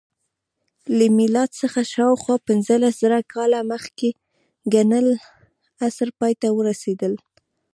له میلاد څخه شاوخوا پنځلس زره کاله مخکې کنګل عصر پای ته ورسېد